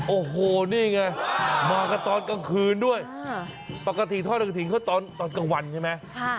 โอ้โหนี่ไงมากันตอนกลางคืนด้วยปกติทอดกระถิ่นเขาตอนกลางวันใช่ไหม